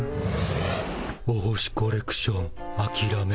お星コレクションあきらめる？